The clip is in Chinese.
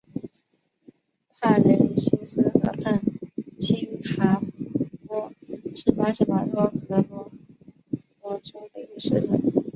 帕雷西斯河畔新坎波是巴西马托格罗索州的一个市镇。